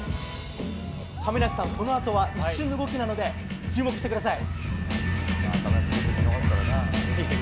亀梨さん、一瞬の動きなので注目してください。